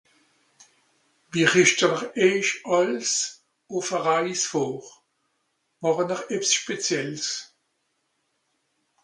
Comment vous préparez vous à un voyage Faites vous quelque chose de particulier ?